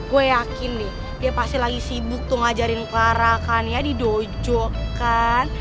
gue yakin nih dia pasti lagi sibuk tuh ngajarin clara kan ya di dojo kan